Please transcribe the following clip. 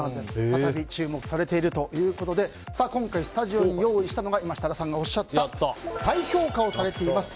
再び注目されているということで今回、スタジオに用意したのが設楽さんがおっしゃった再評価をされています